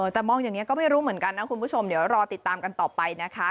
แต่มองอย่างนี้ก็ไม่รู้เหมือนกันนะคุณผู้ชมเดี๋ยวรอติดตามกันต่อไปนะคะ